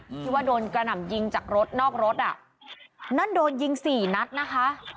ที่ว่าโดนกระหน่ำยิงจากรถนอกรถอ่ะนั่นโดนยิงสี่นัดนะคะ